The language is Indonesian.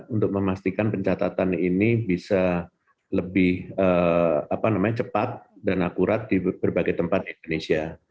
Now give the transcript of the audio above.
untuk memastikan pencatatan ini bisa lebih cepat dan akurat di berbagai tempat di indonesia